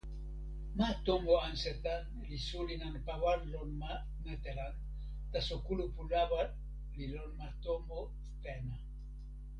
ma tomo Ansetan li suli nanpa wan lon ma Netelan, taso kulupu lawa li lon ma tomo Tena.